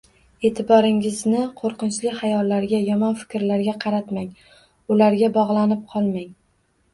E’tiboringizni qo‘rqinchli xayollarga, yomon fikrlarga qaratmang, ularga bog‘lanib qolmang.